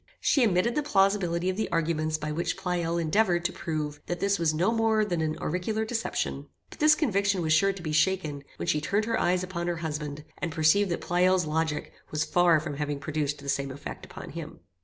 She admitted the plausibility of the arguments by which Pleyel endeavoured to prove, that this was no more than an auricular deception; but this conviction was sure to be shaken, when she turned her eyes upon her husband, and perceived that Pleyel's logic was far from having produced the same effect upon him.